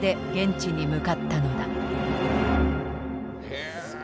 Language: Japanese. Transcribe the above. へえ。